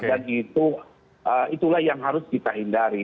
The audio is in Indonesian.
dan itulah yang harus kita hindari